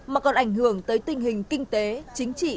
mà còn ảnh hưởng tới tình hình kinh tế chính trị